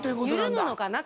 緩むのかな